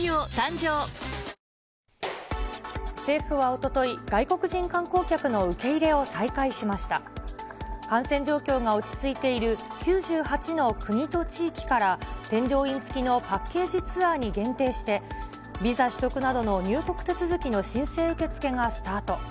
おととい、感染状況が落ち着いている９８の国と地域から、添乗員付きのパッケージツアーに限定して、ビザ取得などの入国手続きの申請受け付けがスタート。